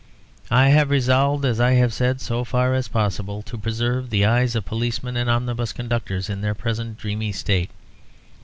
I have resolved, as I have said, so far as possible, to preserve the eyes of policemen and omnibus conductors in their present dreamy state.